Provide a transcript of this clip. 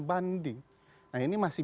banding nah ini masih